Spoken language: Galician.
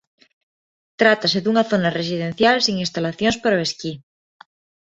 Trátase dunha zona residencial sen instalacións para o esquí.